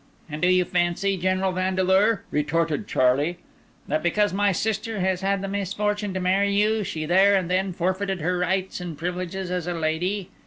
"And do you fancy, General Vandeleur," retorted Charlie, "that because my sister has had the misfortune to marry you, she there and then forfeited her rights and privileges as a lady?